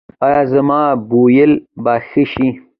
ایا زما بویول به ښه شي؟